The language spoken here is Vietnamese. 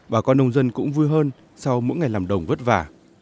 bà con nông dân cũng vui hơn sau mỗi ngày làm đồng vất vả